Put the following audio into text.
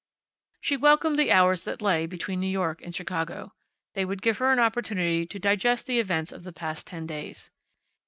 She welcomed the hours that lay between New York and Chicago. They would give her an opportunity to digest the events of the past ten days.